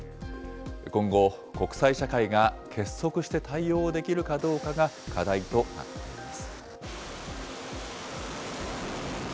今後、国際社会が結束して対応できるかどうかが課題となっています。